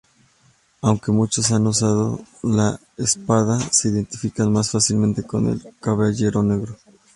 Aunque muchos han usado la espada, se identifica más fácilmente con el Caballero Negro.